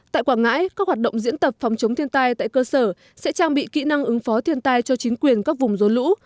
tại quảng ngãi các hoạt động diễn tập phòng chống thiên tai tại cơ sở sẽ trang bị kỹ năng ứng phó thiên tai cho chính quyền các vùng rốn lũ